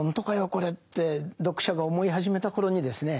これって読者が思い始めた頃にですね